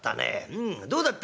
うんどうだったい？」。